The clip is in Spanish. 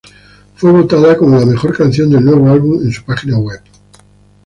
Fue votada como la mejor canción del nuevo álbum en su página web.